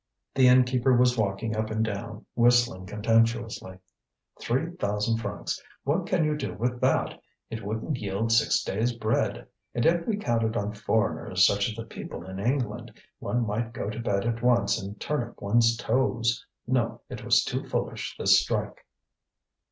The innkeeper was walking up and down, whistling contemptuously. "Three thousand francs! what can you do with that! It wouldn't yield six days' bread; and if we counted on foreigners, such as the people in England, one might go to bed at once and turn up one's toes. No, it was too foolish, this strike!"